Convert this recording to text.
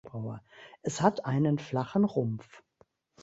Es hat einen flachen Rumpf.